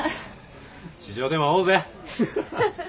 地上でも会おうぜ。